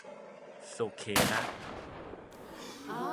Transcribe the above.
สุเขนะ